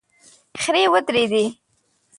خرې ودرېدې.